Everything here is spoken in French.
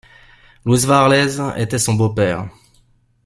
Louis Varlez était son beau-père.